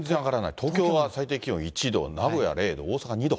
東京は最低気温１度、名古屋０度、大阪２度。